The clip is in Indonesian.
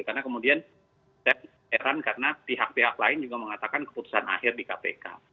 karena kemudian saya heran karena pihak pihak lain juga mengatakan keputusan akhir di kpk